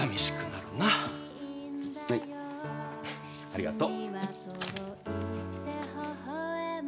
ありがと。